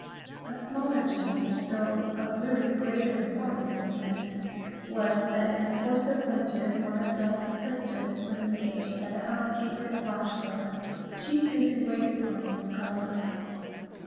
A smaller change, though of really greater importance in the end, was, that in the course of the winter, one of Donal's sisters was engaged by the housekeeper at Glashruach, chiefly to wait upon Miss Galbraith.